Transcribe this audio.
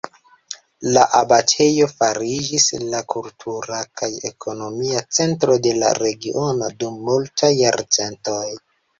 La abatejo fariĝis la kultura kaj ekonomia centro de la regiono dum multaj jarcentoj.